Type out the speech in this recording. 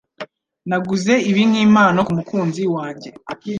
Naguze ibi nkimpano kumukunzi wanjye.